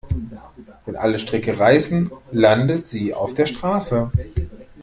Wenn alle Stricke reißen, landet sie auf der Straße.